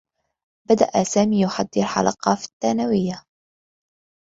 بدأ سامي يحضر حلقة في الثّانويّة.